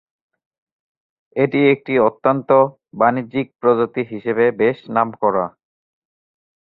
এটি একটি অত্যন্ত বাণিজ্যিক প্রজাতি হিসেবে বেশ নামকরা।